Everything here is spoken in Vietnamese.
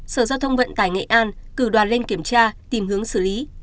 sở giao thông vận tải nghệ an cử đoàn lên kiểm tra tìm hướng xử lý